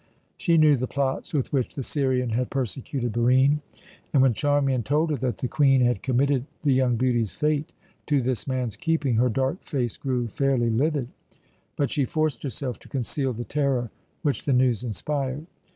She knew the plots with which the Syrian had persecuted Barine, and when Charmian told her that the Queen had committed the young beauty's fate to this man's keeping her dark face grew fairly livid; but she forced herself to conceal the terror which the news inspired.